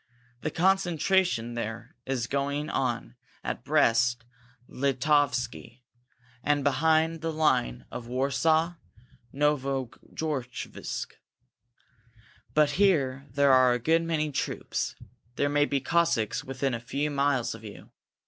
The concentration there is going on at Brest Litovsky, and behind the line of Warsaw Novo Georgevsk. But here there are a good many troops. There may be Cossacks within a few miles of you.